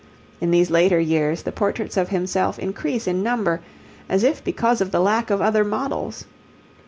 In these later years the portraits of himself increase in number, as if because of the lack of other models.